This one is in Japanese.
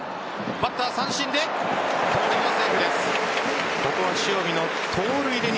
バッター、三振で盗塁はセーフです。